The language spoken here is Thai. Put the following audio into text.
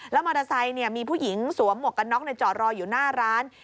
มอเตอร์ไซค์มีผู้หญิงสวมหมวกกันน็อกในจอดรออยู่หน้าร้าน